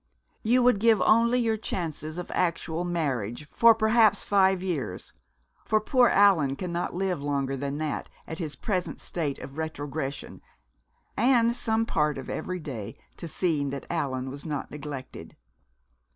You would give only your chances of actual marriage for perhaps five years, for poor Allan cannot live longer than that at his present state of retrogression, and some part of every day to seeing that Allan was not neglected.